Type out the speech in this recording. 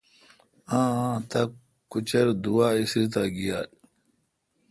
آں آ۔۔تاکچردووا، اِسری تا گیال۔